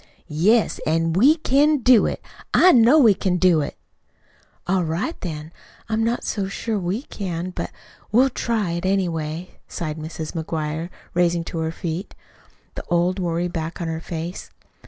"Yes, an' we can do it. I know we can do it." "All right, then. I'm not so sure we can, but we'll try it, anyway," sighed Mrs. McGuire, rising to her feet, the old worry back on her face.